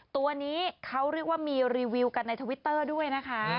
ตัวนี้เขาเรียกว่ามีรีวิวกันในทวิตเตอร์ด้วยนะคะ